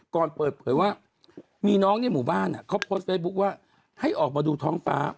ก่อนเปิดเผยว่ามีน้องในหมู่บ้านเขาโพสต์เฟซบุ๊คว่าให้ออกมาดูท้องฟ้า